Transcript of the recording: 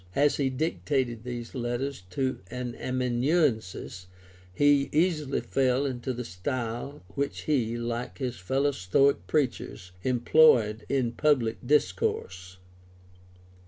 As he dic tated these letters to an amanuensis he easily fell into the style which he, like his fellow Stoic preachers, employed in public discourse.